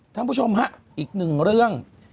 ท่านผู้ชมฮะอีกหนึ่งเรื่อง